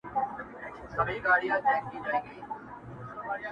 لوڅ لپړ پاچا روان لكه اشا وه؛